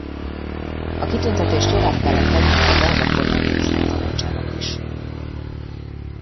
A kitüntetést jóvá kellett hagynia a belga kormány minisztertanácsának is.